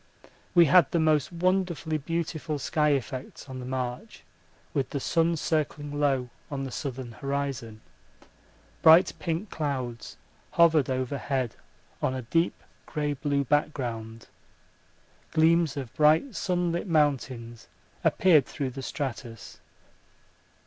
We had the most wonderfully beautiful sky effects on the march with the sun circling low on the southern horizon. Bright pink clouds hovered overhead on a deep grey blue background. Gleams of bright sunlit mountains appeared through the stratus.